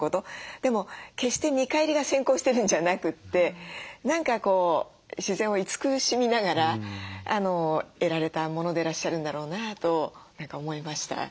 でも決して見返りが先行してるんじゃなくて何かこう自然を慈しみながら得られたものでらっしゃるんだろうなと何か思いました。